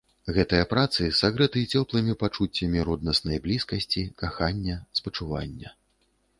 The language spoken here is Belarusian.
Гэтыя працы сагрэты цёплымі пачуццямі роднаснай блізкасці, кахання, спачування.